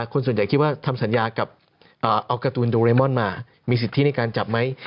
คนส่วนใหญ่คิดว่าทำสัญญากับเอาการ์ตูนโดเรมอนมามีสิทธิในการจับไหม